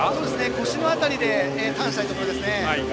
腰の辺りでついていきたいところですね。